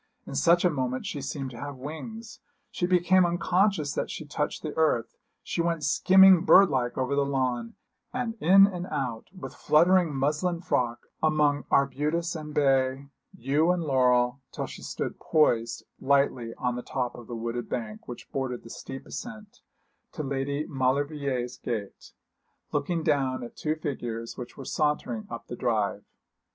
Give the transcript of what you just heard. In such a moment she seemed to have wings. She became unconscious that she touched the earth; she went skimming bird like over the lawn, and in and out, with fluttering muslin frock, among arbutus and bay, yew and laurel, till she stood poised lightly on the top of the wooded bank which bordered the steep ascent to Lady Maulevrier's gate, looking down at two figures which were sauntering up the drive.